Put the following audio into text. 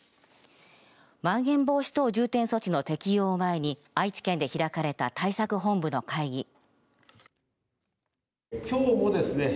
まん延防止等重点措置の適用を前に愛知県で開かれた対策本部の会議。